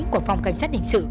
của phòng cảnh sát đình sự